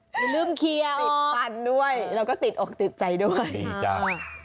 ไม่ลืมเคียร์ออกติดฟันด้วยแล้วก็ติดอกติดใจด้วยดีจัง